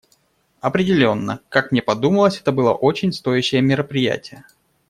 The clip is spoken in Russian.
Определенно, как мне подумалось, это было очень стоящее мероприятие.